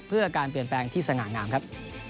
เพื่อการเปลี่ยนแปลงที่สง่างามครับ